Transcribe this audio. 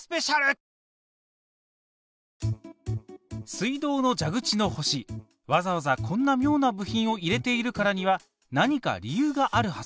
水道の蛇口の星わざわざこんなみょうな部品を入れているからには何か理由があるはずです。